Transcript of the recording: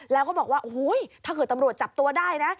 แล้วก็บอกว่าหุยถ้าเกิดจฝ์ตัวได้นะ